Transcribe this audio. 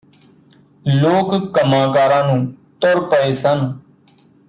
ਲੋਕ ਕੰਮਾਂ ਕਾਰਾਂ ਨੂੰ ਤੁਰ ਪਏ ਸਨ